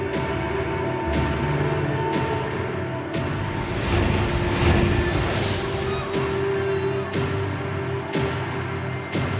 กลับมา